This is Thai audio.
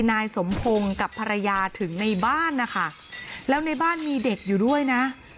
นายสมพงศ์กับภรรยาถึงในบ้านนะคะแล้วในบ้านมีเด็กอยู่ด้วยนะ